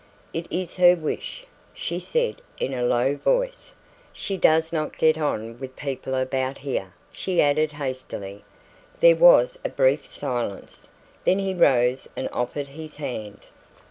"It is her wish," she said in a low voice. "She does not get on with people about here," she added hastily. There was a brief silence, then he rose and offered his hand.